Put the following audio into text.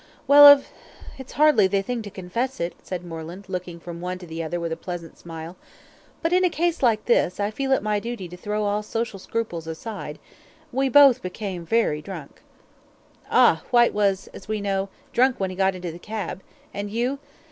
"Well of it's hardly the thing to confess it," said Moreland, looking from one to the other with a pleasant smile, "but in a case like this, I feel it my duty to throw all social scruples aside. We both became very drunk." "Ah! Whyte was, as we know, drunk when he got into the cab and you